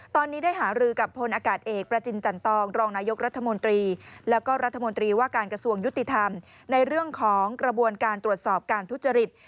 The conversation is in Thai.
ตอนนี้ได้หารือกับพลอากาศเอกประจินจันตองรองนายกรัฐมนตรีแล้วก็รัฐมนตรีว่าการกระทรวงยุติธรรมในเรื่องของกระบวนการตรวจสอบการทุจริต